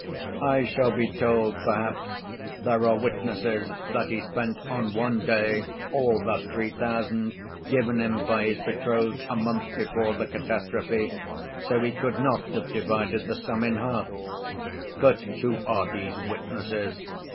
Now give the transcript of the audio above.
"I shall be told, perhaps, there are witnesses that he spent on one day all that three thousand given him by his betrothed a month before the catastrophe, so he could not have divided the sum in half. But who are these witnesses?